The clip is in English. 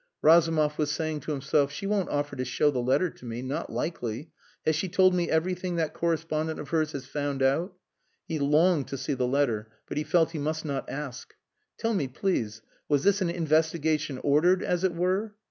Razumov was saying to himself, "She won't offer to show the letter to me. Not likely. Has she told me everything that correspondent of hers has found out?" He longed to see the letter, but he felt he must not ask. "Tell me, please, was this an investigation ordered, as it were?"